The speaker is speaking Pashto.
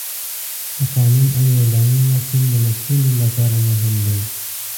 د قانون او اعلامیه مفهوم د نسلونو لپاره مهم دی.